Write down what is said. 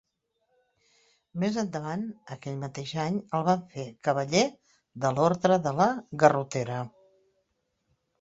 Més endavant aquell mateix any el van fer cavaller de l'Orde de la Garrotera.